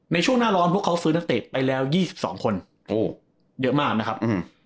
ในช่วงหน้าร้อนพวกเขาซื้อนักเตะไปแล้ว๒๒คนเยอะมากนะครับ